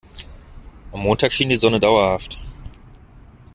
Am Montag schien die Sonne dauerhaft.